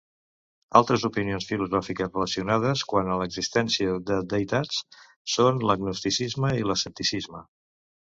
Altres opinions filosòfiques relacionades quant a l'existència de deïtats són l'agnosticisme i l'escepticisme.